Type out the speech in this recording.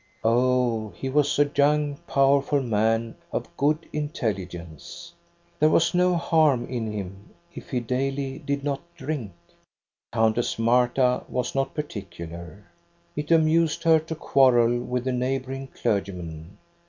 " "Oh, he was a young, powerful man, of good intelligence. There was no barm in him, if be caily ■■■* EBB A DOHNA'S STORY. 221 did not drink. Countess Marta was not particular. It amused her to quarrel with the neighboring clergy men.